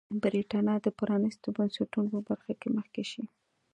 برېټانیا به د پرانیستو بنسټونو په برخه کې مخکې شي.